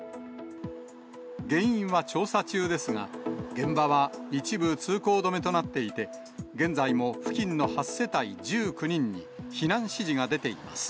原因は調査中ですが、現場は一部通行止めとなっていて、現在も付近の８世帯１９人に避難指示が出ています。